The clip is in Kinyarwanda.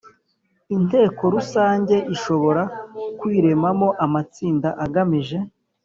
Inteko rusange ishobora kwiremamo amatsinda agamije